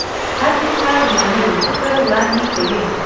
هر کتاب یو نوی فکر وړاندې کوي.